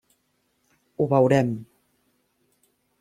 Ho veurem.